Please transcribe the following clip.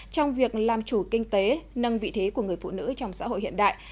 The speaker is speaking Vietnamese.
trong việc làm chủ kinh tế nâng vị thế của người phụ nữ trong xã hội hiện đại